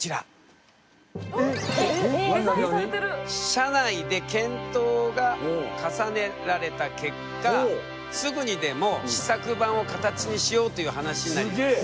社内で検討が重ねられた結果すぐにでも試作版を形にしようという話になりました。